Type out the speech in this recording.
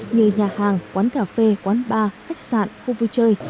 như nhà hàng quán cà phê quán bar khách sạn khu vui chơi